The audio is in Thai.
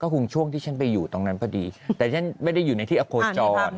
คงช่วงที่ฉันไปอยู่ตรงนั้นพอดีแต่ฉันไม่ได้อยู่ในที่อโคจร